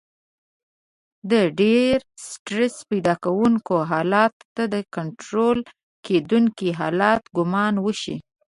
د ډېر سټرس پيدا کوونکي حالت ته د کنټرول کېدونکي حالت ګمان وشي.